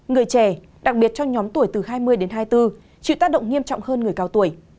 người trẻ đặc biệt trong nhóm tuổi từ hai mươi đến hai mươi bốn chịu tác động nghiêm trọng hơn người cao tuổi